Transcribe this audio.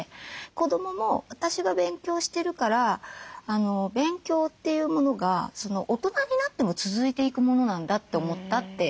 子どもも私が勉強してるから勉強というものが大人になっても続いていくものなんだって思ったって。